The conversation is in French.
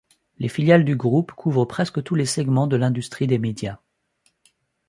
Les filiales du groupe couvrent presque tous les segments de l'industrie des médias.